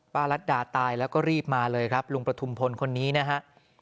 รัฐดาตายแล้วก็รีบมาเลยครับลุงประทุมพลคนนี้นะฮะ